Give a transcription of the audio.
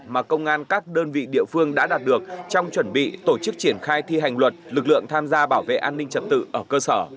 mà công an các đơn vị địa phương đã đạt được trong chuẩn bị tổ chức triển khai thi hành luật lực lượng tham gia bảo vệ an ninh trật tự ở cơ sở